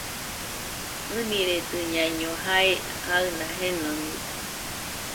ɨniredɨñaiño jae aɨna jenonide.